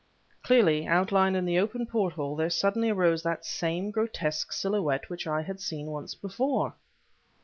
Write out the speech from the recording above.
Clearly outlined in the open porthole there suddenly arose that same grotesque silhouette which I had seen once before.